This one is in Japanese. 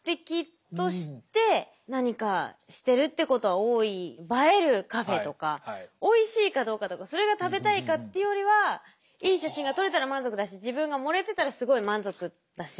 でも確かに映えるカフェとかおいしいかどうかとかそれが食べたいかってよりはいい写真が撮れたら満足だし自分が盛れてたらすごい満足だし。